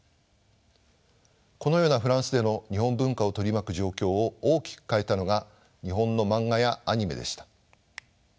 このようなフランスでの日本文化を取り巻く状況を大きく変えたのが日本の漫画やアニメでした。